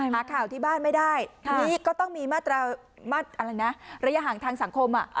หาข่าวที่บ้านไม่ได้ทีนี้ก็ต้องมีอะไรนะระยะห่างทางสังคม